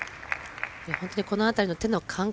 本当にこの辺りの手の感覚